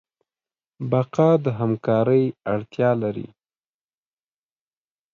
بقا د همکارۍ اړتیا لري.